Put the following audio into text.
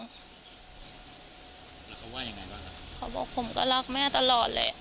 แล้วเขาว่าอย่างไรบ้างพอบอกผมก็รักแม่ตลอดเลย